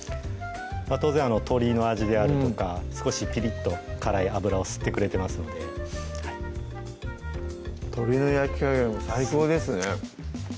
当然鶏の味であるとか少しピリッと辛い油を吸ってくれてますので鶏の焼き加減も最高ですね